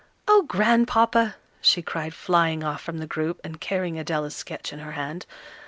"Oh, Grandpapa!" she cried, flying off from the group, and carrying Adela's sketch in her hand.